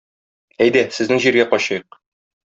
Әйдә сезнең җиргә качыйк.